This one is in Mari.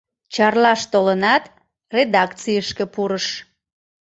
Чарлаш толынат, редакцийышке пурыш.